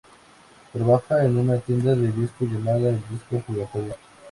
Trabaja en una tienda de discos llamada "El Disco Giratorio".